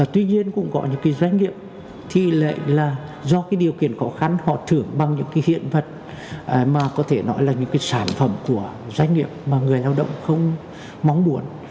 tuy nhiên cũng có những cái doanh nghiệp thì lại là do cái điều kiện khó khăn họ thưởng bằng những cái hiện vật mà có thể nói là những cái sản phẩm của doanh nghiệp mà người lao động không mong muốn